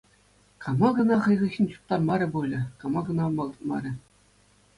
Кама кӑна хӑй хыҫҫӑн чуптармарӗ пулӗ, кама кӑна макӑртмарӗ.